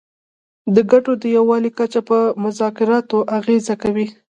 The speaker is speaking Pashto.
د ګټو د یووالي کچه په مذاکراتو اغیزه کوي